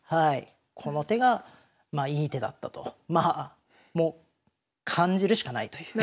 この手がいい手だったともう感じるしかないという。